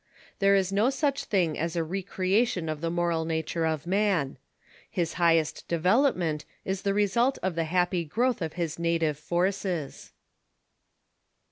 There is no such thing as a recreation of the moral nature of man. His highest development is the result of the happy growth of his native forces.